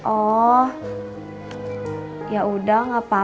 oh yaudah gak apa apa